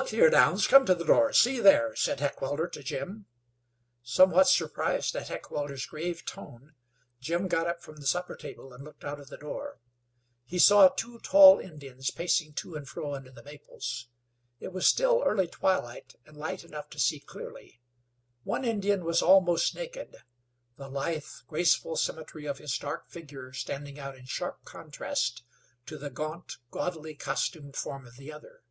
"Look here, Downs; come to the door. See there," said Heckewelder to Jim. Somewhat surprised at Heckewelder's grave tone, Jim got up from the supper table and looked out of the door. He saw two tall Indians pacing to and fro under the maples. It was still early twilight and light enough to see clearly. One Indian was almost naked; the lithe, graceful symmetry of his dark figure standing out in sharp contrast to the gaunt, gaudily costumed form of the other.